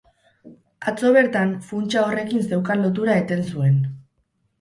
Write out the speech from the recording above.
Atzo bertan, funtsa horrekin zeukan lotura eten zuen.